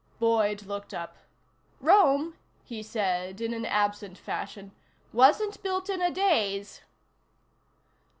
Boyd looked up. "Rome," he said in an absent fashion, "wasn't built in a daze."